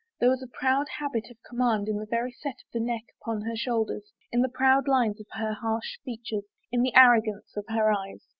There was a proud habit of command in the very set of the neck upon her shoulders, in the proud lines of her harsh features, in the arrogance of her eyes.